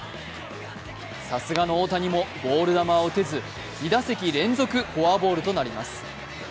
さすがの大谷もボール球は打てず２打席連続フォアボールとなります